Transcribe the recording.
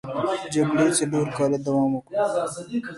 جګړې څلور کاله دوام وکړ.